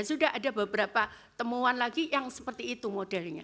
sudah ada beberapa temuan lagi yang seperti itu modelnya